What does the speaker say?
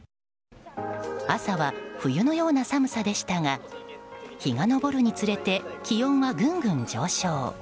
朝は冬のような寒さでしたが日が昇るにつれて気温はぐんぐん上昇。